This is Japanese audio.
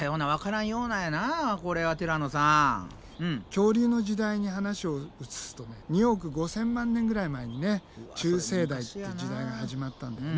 恐竜の時代に話を移すとね２億５，０００万年ぐらい前にね中生代っていう時代が始まったんだよね。